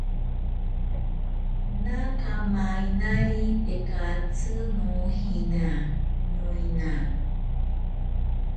Naka mainari tekatsi nojina, noina.